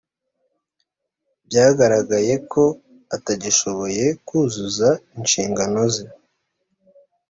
byagaragaye ko atagishoboye kuzuza inshingano ze